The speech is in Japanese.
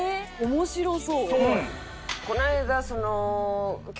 面白そう。